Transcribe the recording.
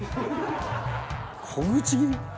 小口切り？